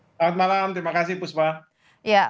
selamat malam terima kasih puspa